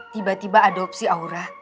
tiba tiba adopsi aura